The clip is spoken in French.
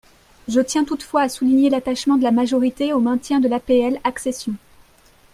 Je tiens toutefois à souligner l’attachement de la majorité au maintien de l’APL accession.